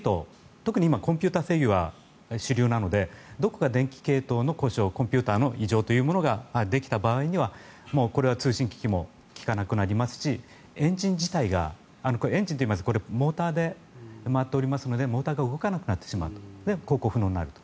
特に今、コンピューター制御が主流なのでどこか電気系統の故障コンピューターの異常ができた場合にはこれは通信機器も利かなくなりますしエンジン自体がエンジンはモーターで回っていますのでモーターが動かなくなってしまうと航行不能になると。